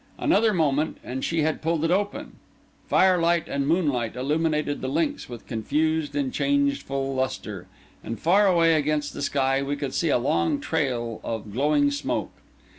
Another moment, and she had pulled it open. Firelight and moonlight illuminated the links with confused and changeful lustre, and far away against the sky we could see a long trail of glowing smoke.